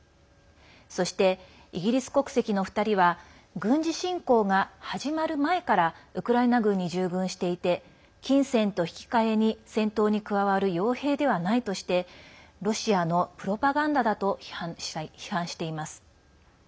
そして、イギリス国籍の２人は軍事侵攻が始まる前からウクライナ軍に従軍していて金銭と引き換えに戦闘に加わるよう兵ではないとしてロシアのプロパガンダだと批判しています。